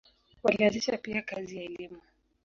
Walianzisha pia kazi ya elimu.